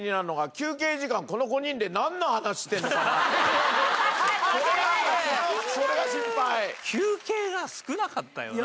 休憩が少なかったよな。